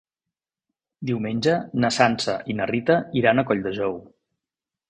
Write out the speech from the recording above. Diumenge na Sança i na Rita iran a Colldejou.